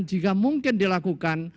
jika mungkin dilakukan